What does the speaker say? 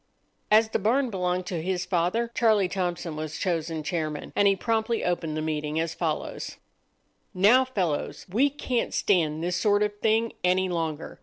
As the barn belonged to his father, Charlie Thompson was chosen chairman, and he promptly opened the meeting as follows:— "Now, fellows, we can't stand this sort of thing any longer.